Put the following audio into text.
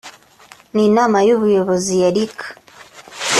n inama y ubuyobozi ya rica